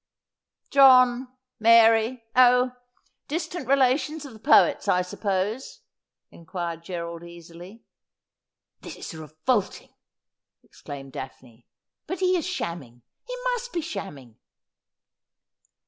' John — Mary— oh, distant relations of the poet's, I suppose ?' inquired Gerald easily. ' This is revolting,' exclaimed Daphne ;' but he is shamming — he must be shamming.'